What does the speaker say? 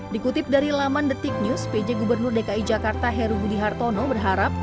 dikutip dari laman the tick news pj gubernur dki jakarta heru budi hartono berharap